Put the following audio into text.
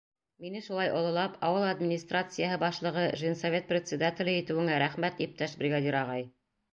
Мине шулай ололап, ауыл администрацияһы башлығы, женсовет председателе итеүеңә рәхмәт, иптәш бригадир ағай.